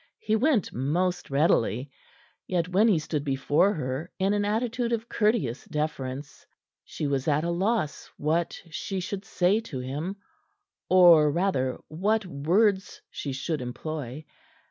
He went most readily. Yet when he stood before her in an attitude of courteous deference, she was at a loss what she should say to him, or, rather, what words she should employ.